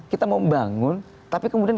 kita mau membangun tapi kemudian